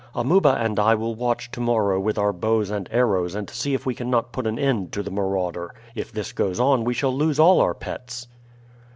Amuba and I will watch to morrow with our bows and arrows and see if we cannot put an end to the marauder. If this goes on we shall lose all our pets."